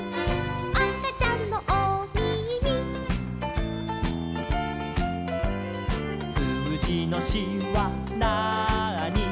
「あかちゃんのおみみ」「すうじの４はなーに」